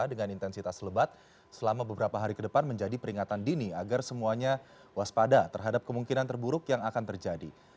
dengan intensitas lebat selama beberapa hari ke depan menjadi peringatan dini agar semuanya waspada terhadap kemungkinan terburuk yang akan terjadi